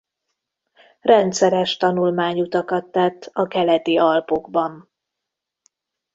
Rendszeres tanulmányutakat tett a Keleti-Alpokban.